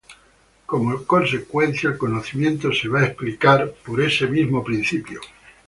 Como consecuencia, el conocimiento va a ser explicado por este mismo principio.